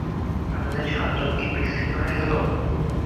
আমাদের সংযোগ কি বিচ্ছিন্ন হয়ে গেলো?